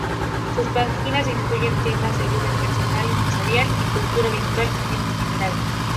Sus páginas incluyen temas de ayuda personal, empresarial y cultura habitual en general.